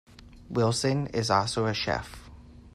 Wilson is also a chef.